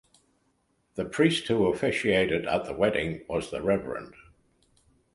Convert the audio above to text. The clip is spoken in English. The priest who officiated at the wedding was the Revd.